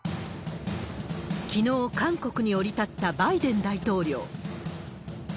きのう、韓国に降り立ったバイデン大統領。